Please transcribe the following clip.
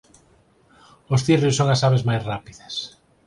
Os cirrios son as aves máis rápidas.